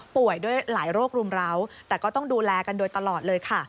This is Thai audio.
ด้วยหลายโรครุมร้าวแต่ก็ต้องดูแลกันโดยตลอดเลยค่ะ